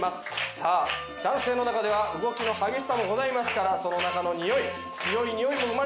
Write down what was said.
さあ男性の中では動きの激しさもございますからその中のにおい強いにおいも生まれてきております。